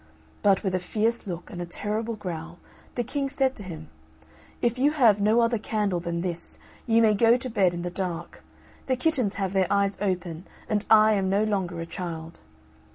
But, with a fierce look and terrible growl, the King said to him, "If you have no other candle than this, you may go to bed in the dark. The kittens have their eyes open, and I am no longer a child."